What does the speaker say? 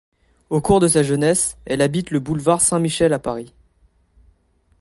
Au cours de sa jeunesse, elle habite le boulevard Saint-Michel à Paris.